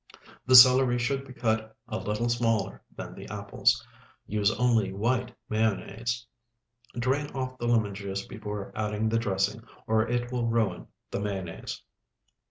The celery should be cut a little smaller than the apples. Use only white mayonnaise. Drain off the lemon juice before adding the dressing, or it will ruin the mayonnaise.